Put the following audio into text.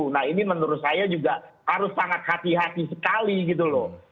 nah ini menurut saya juga harus sangat hati hati sekali gitu loh